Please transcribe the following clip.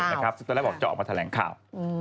ตอนแรกบอกจะออกมาแถลงข่าว